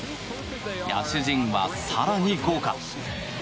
野手陣は更に豪華。